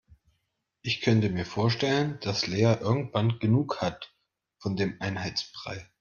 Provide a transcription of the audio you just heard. Ich könnte mir vorstellen, dass Lea irgendwann genug hat von dem Einheitsbrei.